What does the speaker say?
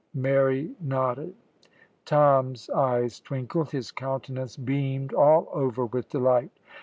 Mary nodded. Tom's eyes twinkled, his countenance beamed all over with delight.